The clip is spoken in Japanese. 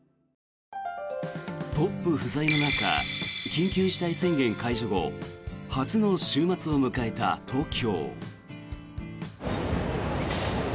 トップ不在の中緊急事態宣言解除後初の週末を迎えた東京。